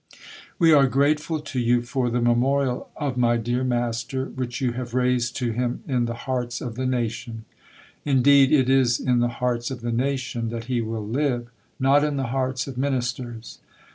We are grateful to you for the memorial of my dear Master which you have raised to him in the hearts of the nation. Indeed it is in the hearts of the nation that he will live not in the hearts of Ministers.